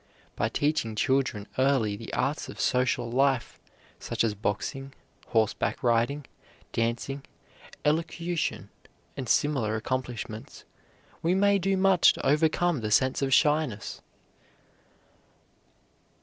By teaching children early the arts of social life, such as boxing, horseback riding, dancing, elocution, and similar accomplishments, we may do much to overcome the sense of shyness.